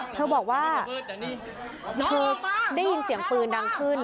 เธอบอกว่าเธอได้ยินเสียงปืนดังขึ้น